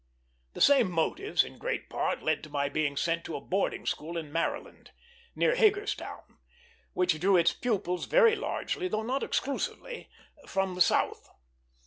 The same motives, in great part, led to my being sent to a boarding school in Maryland, near Hagerstown, which drew its pupils very largely, though not exclusively, from the South.